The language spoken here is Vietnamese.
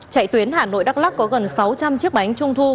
chạy tuyến hà nội đắk lắc có gần sáu trăm linh chiếc bánh trung thu